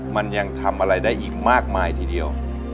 มันยังทำอะไรได้อีกมากมายทีเดียว